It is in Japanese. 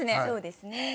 そうですね。